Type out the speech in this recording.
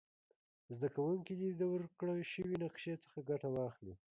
زده کوونکي دې د ورکړ شوې نقشي څخه ګټه واخلي.